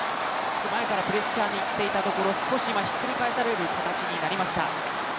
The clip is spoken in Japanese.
前からプレッシャーにいっていたところ少しひっくり返される形になりました。